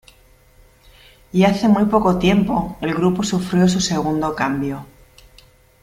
Y hace muy poco tiempo el grupo sufrió su segundo cambio.